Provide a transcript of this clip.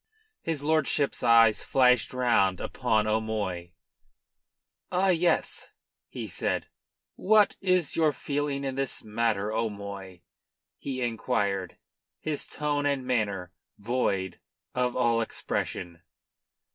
His lordship's eyes flashed round upon O'Moy. "Ah yes!" he said. "What is your feeling in this matter, 'O'Moy?" he inquired, his tone and manner void of all expression.